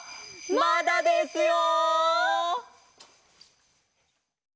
まだですよ！